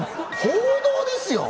報道ですよ